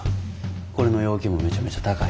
これの要求もめちゃめちゃ高い。